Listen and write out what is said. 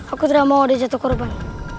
aku tidak mau ada jatuh korban